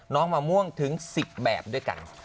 มะม่วงถึง๑๐แบบด้วยกัน